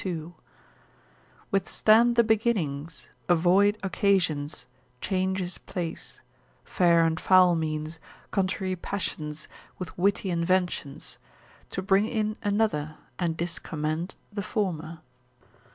II.—_Withstand the beginnings, avoid occasions, change his place: fair and foul means, contrary passions, with witty inventions: to bring in another, and discommend the former_.